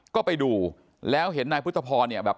ก็ไปดูแล้วเห็นนายพุทธพรเนี่ยแบบ